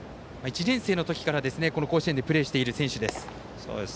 １年生の時から、甲子園でプレーしている選手です。